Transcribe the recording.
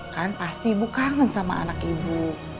kan pasti ibu kangen sama anak ibu